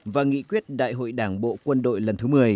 và nghị quyết đại hội đảng bộ quân đội lần thứ một mươi